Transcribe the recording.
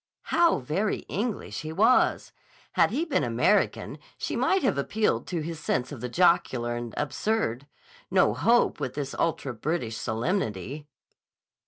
How very English he was! Had he been American, she might have appealed to his sense of the jocular and absurd. No hope with this ultra British solemnity.